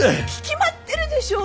決まってるでしょ。